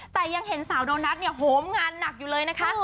แต่ยังเห็นสาวโดนัทเนี่ยโหมงานหนักอยู่เลยนะคะ